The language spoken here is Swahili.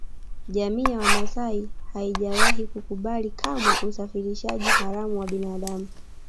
Jamii ya Wamasai haijawahi kukubali kamwe usafirishaji haramu wa binadamu